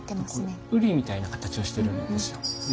瓜みたいな形をしてるんですよ。